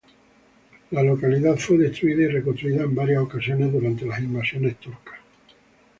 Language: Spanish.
La localidad fue destruida y reconstruida en varias ocasiones durante las invasiones turcas.